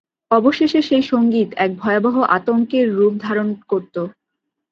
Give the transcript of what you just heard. অবশেষে সেই সংগীত এক ভয়াবহ আতঙ্কের রূপ ধারণ করত।